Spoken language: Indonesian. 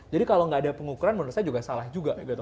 jadi kalau nggak ada pengukuran menurut saya juga salah juga gitu